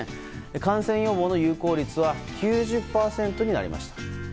感染予防の有効率は９０％になりました。